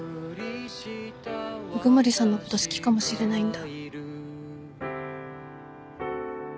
鵜久森さんのこと好きかもしれないんだ。